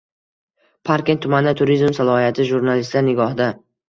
Parkent tumani turizm salohiyati jurnalistlar nigohida